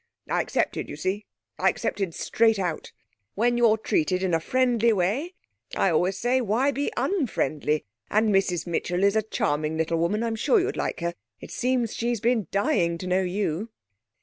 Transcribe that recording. I accepted, you see. I accepted straight out. When you're treated in a friendly way, I always say why be unfriendly? And Mrs Mitchell is a charming little woman I'm sure you'd like her. It seems she's been dying to know you.'